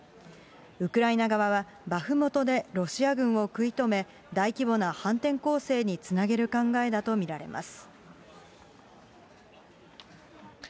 ウクライナ側は、バフムトでロシア軍を食い止め、大規模な反転攻勢につなげる考えだと見られます。